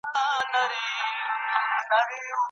تاند ویبپاڼه د تاریخ په اړه ګټورې لیکنې خپروي.